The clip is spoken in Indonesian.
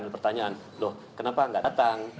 juga akan pertanyaan loh kenapa nggak datang